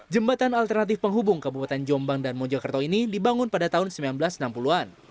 jembatan alternatif penghubung kabupaten jombang dan mojokerto ini dibangun pada tahun seribu sembilan ratus enam puluh an